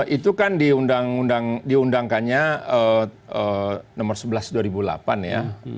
itu kan diundangkannya nomor sebelas dua ribu delapan ya